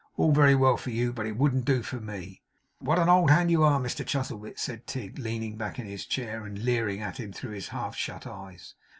All very well for you, but it wouldn't do for me.' 'What an old hand you are, Mr Chuzzlewit!' said Tigg, leaning back in his chair, and leering at him through his half shut eyes.